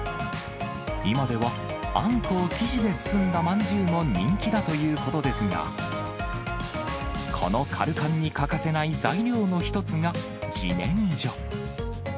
今ではあんこを生地で包んだまんじゅうも人気だということですが、このかるかんに欠かせない材料の１つがじねんじょ。